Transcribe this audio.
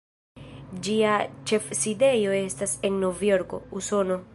Ĝia ĉefsidejo estas en Novjorko, Usono.